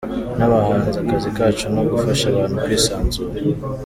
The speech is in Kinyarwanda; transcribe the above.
N’abahanzi akazi kacu ni ugufasha abantu kwisanzura.